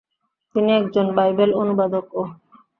তিনি একজন বাইবেল অনুবাদকও।